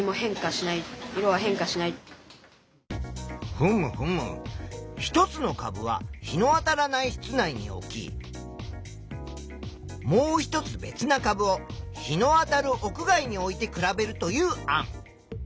ふむふむ１つの株は日のあたらない室内に置きもう一つ別な株を日のあたる屋外に置いて比べるという案。